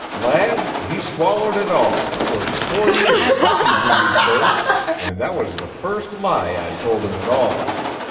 "Lad, he swallowed it all, for it's four years since he knew me first, and that was the first lie I'd told him at all.